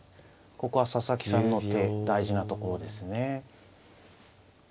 ここは佐々木さんの手大事なところですね。